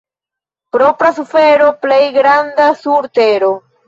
Propra sufero — plej granda sur tero.